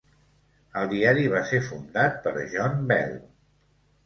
El diari va ser fundat per John Bell.